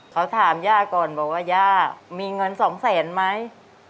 เขาถามย่าก่อนบอกว่าย่ามีเงินสองแสนไหม